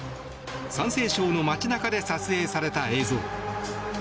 山西省の街中で撮影された映像。